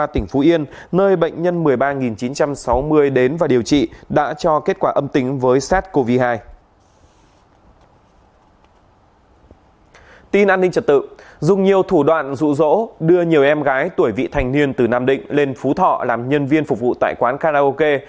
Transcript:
tin an ninh trật tự dùng nhiều thủ đoạn rụ rỗ đưa nhiều em gái tuổi vị thành niên từ nam định lên phú thọ làm nhân viên phục vụ tại quán karaoke